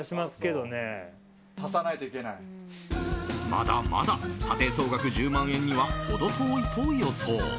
まだまだ査定総額１０万円にはほど遠いと予想。